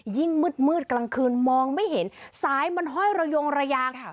ยิ่งมืดมืดกลางคืนมองไม่เห็นสายมันห้อยระยงระยาง